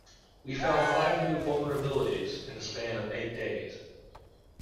We found five new vulnerabilities in the span of eight days.